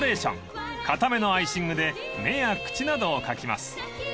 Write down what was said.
［硬めのアイシングで目や口などを描きます］